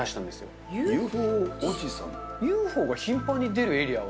ＵＦＯが頻繁に出るエリアが